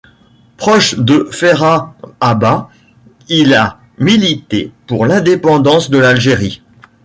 Proche de Ferhat Abbas, il a milité pour l'indépendance de l'Algérie.